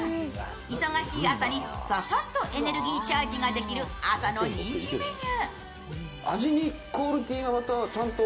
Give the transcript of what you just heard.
忙しい朝にささっとエネルギーチャージができる朝の人気メニュー。